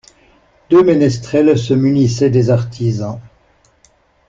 Deux ménestrels se munissaient des artisans.